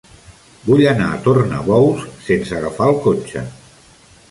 Vull anar a Tornabous sense agafar el cotxe.